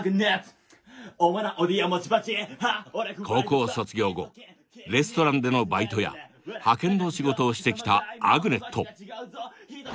高校卒業後レストランでのバイトや派遣の仕事をしてきたアグネット。